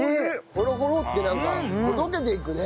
ホロホロッてなんかほどけていくね